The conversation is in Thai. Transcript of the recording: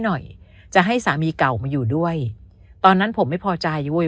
หน่อยจะให้สามีเก่ามาอยู่ด้วยตอนนั้นผมไม่พอใจเว้ย